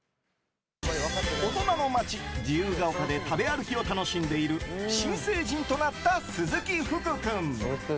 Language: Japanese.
大人の街、自由が丘で食べ歩きを楽しんでいる新成人となった鈴木福君。